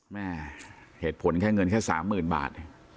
แม่เหตุผลแค่เงินแค่สามหมื่นบาท